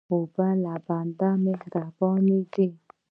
اوبه له بنده مهربانې دي.